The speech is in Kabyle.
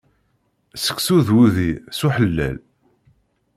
Sseksu d wudi, s uḥellel!